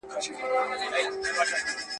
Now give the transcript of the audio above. د څيړني مسؤلیت د چا په غاړه دی؟